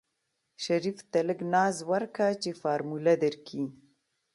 شريف ته لږ ناز ورکه چې فارموله درکي.